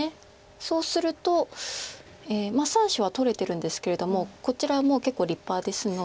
そうすると３子は取れてるんですけれどもこちらもう結構立派ですので。